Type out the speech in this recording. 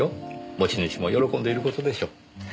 持ち主も喜んでいる事でしょう。